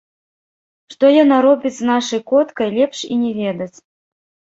Што яна зробіць з нашай коткай, лепш і не ведаць.